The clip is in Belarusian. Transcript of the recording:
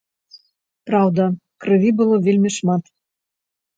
Праўда, крыві было вельмі шмат.